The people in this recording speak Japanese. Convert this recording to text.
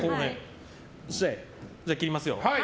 じゃあ、切ります。